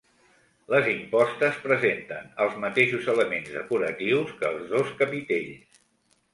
Les impostes presenten els mateixos elements decoratius que els dos capitells.